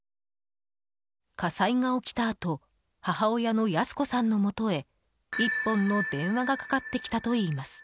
火災が起きたあと母親の安子さんのもとへ１本の電話がかかってきたといいます。